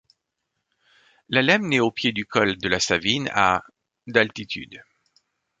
La Lemme naît au pied du col de la Savine, à d'altitude.